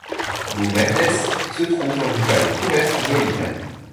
Bou Merdes se trouve dans une vallée couverte d'oliveraies.